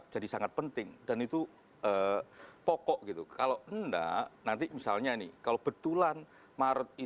jadi itu semua